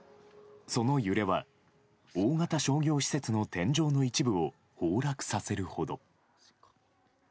その揺れは大型商業施設の天井の一部を崩落させるほど。